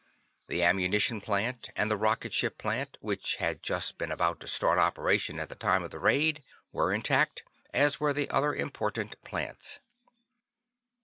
The ammunition plant, and the rocket ship plant, which had just been about to start operation at the time of the raid, were intact, as were the other important plants.